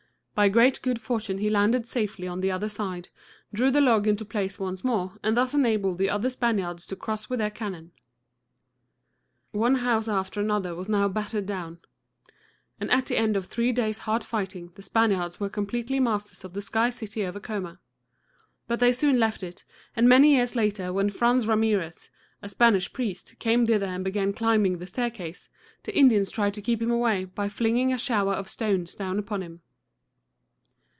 By great good fortune he landed safely on the other side, drew the log into place once more, and thus enabled the other Spaniards to cross with their cannon. One house after another was now battered down, and at the end of three days' hard fighting the Spaniards were complete masters of the Sky City of Acoma. But they soon left it, and many years later, when Fray Ramirez (rah me´reth), a Spanish priest, came thither and began climbing the staircase, the Indians tried to keep him away by flinging a shower of stones down upon him.